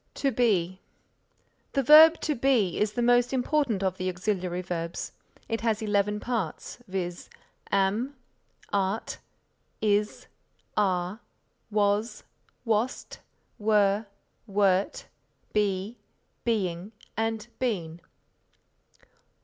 TO BE The verb To Be is the most important of the auxiliary verbs. It has eleven parts, viz., am, art, is, are, was, wast, were, wert; be, being and been.